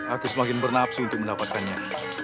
aku semakin bernapsi untuk mendapatkannya